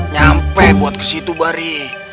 nyampe buat kesitu bari